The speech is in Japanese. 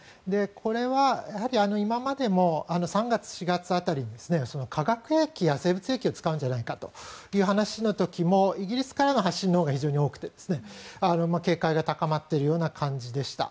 これは今までも３月、４月辺りに化学兵器や生物兵器を使うんじゃないかという話の時も、イギリスからの発信のほうが非常に多くて警戒が高まっているような感じでした。